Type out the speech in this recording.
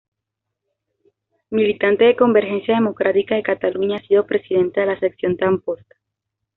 Militante de Convergencia Democrática de Cataluña, ha sido presidenta de la sección de Amposta.